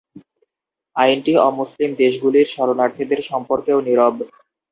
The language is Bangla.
আইনটি অমুসলিম দেশগুলির শরণার্থীদের সম্পর্কেও নীরব।